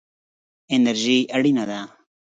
انرژي اړینه ده.